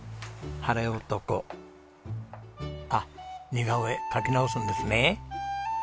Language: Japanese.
「ハレオトコ」あっ似顔絵描き直すんですね。